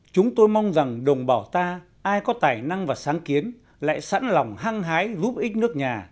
chúng tôi mong rằng đồng bào ta ai có tài năng và sáng kiến lại sẵn lòng hăng hái giúp ích nước nhà